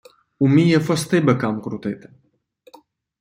Уміє фости бикам крутити.